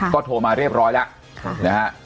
ก็โทรมาเรียบร้อยแล้วนะฮะ